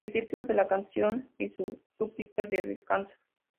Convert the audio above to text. El título de la canción y su súplica de "¡descansa!